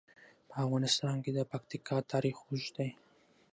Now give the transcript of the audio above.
په افغانستان کې د پکتیکا تاریخ اوږد دی.